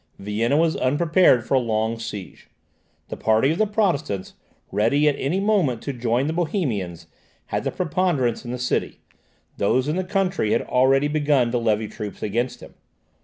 Vienna was unprepared for a long siege. The party of the Protestants, ready at any moment to join the Bohemians, had the preponderance in the city; those in the country had already begun to levy troops against him.